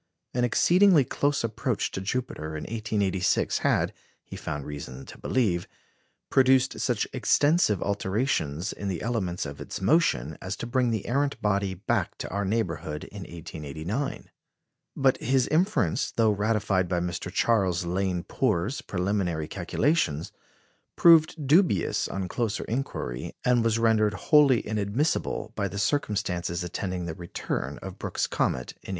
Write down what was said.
An exceedingly close approach to Jupiter in 1886 had, he found reason to believe, produced such extensive alterations in the elements of its motion as to bring the errant body back to our neighbourhood in 1889. But his inference, though ratified by Mr. Charles Lane Poor's preliminary calculations, proved dubious on closer inquiry, and was rendered wholly inadmissible by the circumstances attending the return of Brooks's comet in 1896.